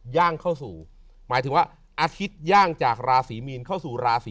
หมายถึงว่าอาทิตย่างจากราศีเมษ